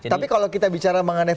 tapi kalau kita bicara mengenai